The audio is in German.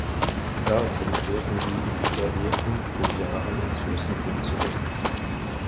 Daraufhin kehrten die emigrierten Bojaren ins Fürstentum zurück.